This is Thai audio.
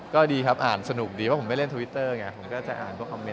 ก็ดีอาหารสนุกดีว่าผมไม่เล่นทวิเตอร์ไงจะอ่านก็เข้ามั้ย